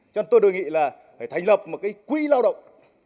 cho nên tôi đề nghị là phải thành lập một cái quỹ lao động